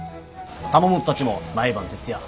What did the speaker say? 玉本たちも毎晩徹夜。